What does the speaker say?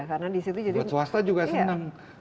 karena disitu jadi buat swasta juga seneng